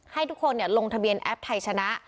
ให้ทุกคนลงทะเบียนแอปไทยชนะ